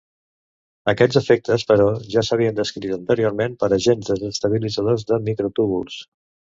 Aquests efectes, però, ja s'havien descrit anteriorment pels agents estabilitzadors de microtúbuls.